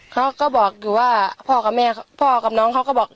เขาก็บอกอยู่ว่าพ่อกับแม่พ่อกับน้องเขาก็บอก